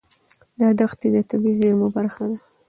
دا دښتې د طبیعي زیرمو برخه ده.